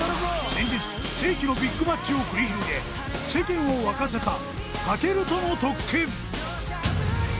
先日世紀のビッグマッチを繰り広げ世間を沸かせた武尊との特訓